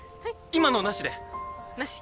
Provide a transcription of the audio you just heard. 今のなしでなし？